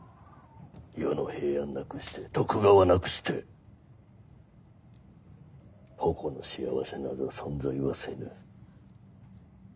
世の平安なくして徳川なくして個々の幸せなど存在はせぬ。